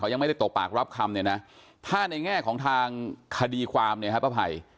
ยังไม่ได้ตกปากรับคำเนี่ยนะถ้าในแง่ของทางคดีความเนี่ยฮะป้าภัย